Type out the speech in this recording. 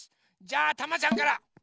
じゃあたまちゃんから。